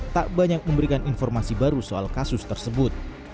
tak banyak memberikan informasi baru soal kasus tersebut